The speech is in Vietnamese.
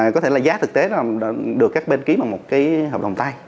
có thể là giá thực tế là được các bên ký bằng một cái hợp đồng tay